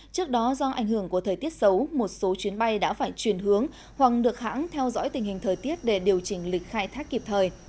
trước đó do ảnh hưởng của thời tiết xấu một số chuyến bay đã phải chuyển hướng hoặc được hãng theo dõi tình hình thời tiết để điều chỉnh lịch khai thác kịp thời